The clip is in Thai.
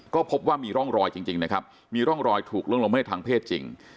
ก็พบว่ามีร่องรอยจริงนะครับมีร่องรอยถูกล่วงละเมิดทางเพศจริง